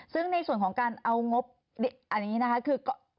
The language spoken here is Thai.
ซึ่งในส่วนของการเอางบอันนี้นะคะคือ